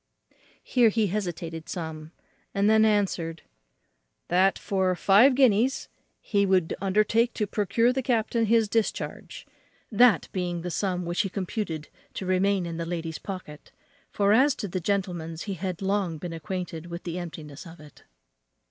Here he hesitated some time, and then answered "That for five guineas he would undertake to procure the captain his discharge. "That being the sum which he computed to remain in the lady's pocket; for, as to the gentleman's, he had long been acquainted with the emptiness of it.